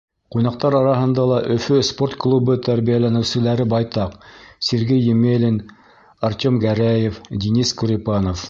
Ҡунаҡтар араһында ла Өфө спорт клубы тәрбиәләнеүселәре байтаҡ: Сергей Емелин, Артем Гәрәев, Денис Курепанов.